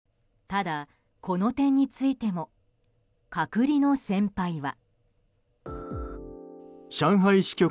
ただ、この点についても隔離の先輩は。